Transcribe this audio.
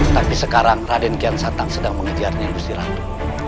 tapi sekarang raden kian satang sedang mengejarnya industri ratu